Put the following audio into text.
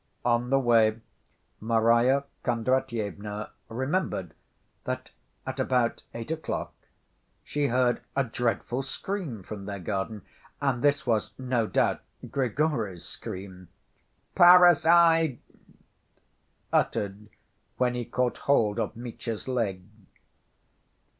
On the way, Marya Kondratyevna remembered that at about eight o'clock she heard a dreadful scream from their garden, and this was no doubt Grigory's scream, "Parricide!" uttered when he caught hold of Mitya's leg.